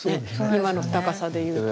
今の高さでいうとね。